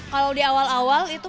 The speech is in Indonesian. kalau di awal awal itu